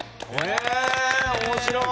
面白い。